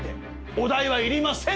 「お代はいりません」